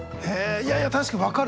いやいや確かに分かる。